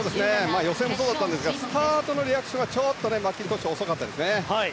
予選もそうでしたがスタートのリアクションがちょっとマッキントッシュ遅かったですね。